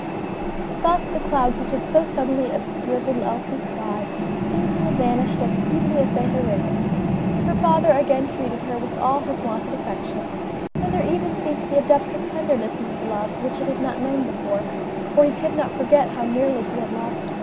Thus the clouds which had so suddenly obscured little Elsie's sky, seemed to have vanished as speedily as they had arisen. Her father again treated her with all his wonted affection, and there even seemed to be a depth of tenderness in his love which it had not known before, for he could not forget how nearly he had lost her.